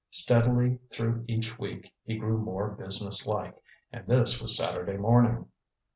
Steadily through each week he grew more businesslike and this was Saturday morning.